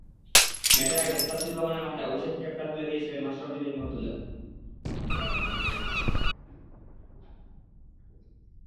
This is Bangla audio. ম্যাচের আগে মুস্তাফিজুর রহমানের মাথায় অভিষেক ক্যাপটা তুলে দিয়েছিলেন মাশরাফি বিন মুর্তজা।